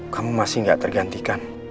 kamu masih gak tergantikan